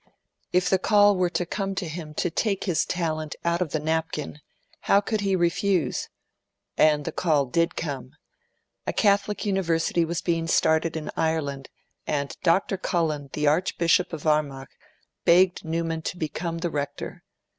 If the call were to come to him to take his talent out of the napkin, how could he refuse? And the call did come. A Catholic University was being started in Ireland and Dr. Cullen, the Archbishop of Armagh, begged Newman to become the Rector.